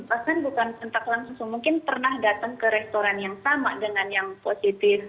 bahkan bukan kontak langsung mungkin pernah datang ke restoran yang sama dengan yang positif